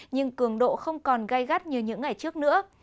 nhưng cường độ không còn gai gắt như những ngày trước nữa